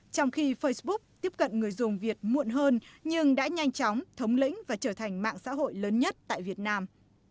trong khi facebook tiếp cận người dùng việt muộn hơn nhưng đã nhanh chóng thống lĩnh và trở thành mạng xã hội lớn nhất tại việt nam